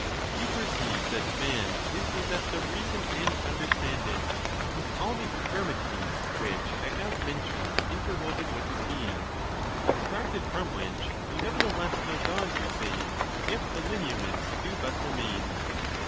You perceive that man is possessed of reason and imderstanding, with all the infirmities which I have mentioned interwoven with his being ; abstracted from which, you nevertheless know God, you say, if the lineaments do but remain.